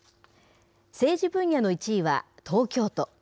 政治分野の１位は東京都。